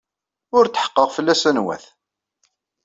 Ur tḥeqqeɣ fell-as anwa-t.